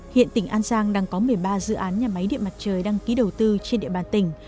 hiện tỉnh an giang đang có một mươi ba dự án nhà máy điện mặt trời đăng ký đầu tư trên địa bàn tỉnh